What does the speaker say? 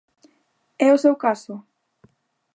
É o seu caso?